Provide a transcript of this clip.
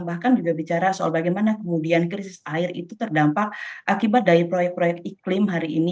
bahkan juga bicara soal bagaimana kemudian krisis air itu terdampak akibat dari proyek proyek iklim hari ini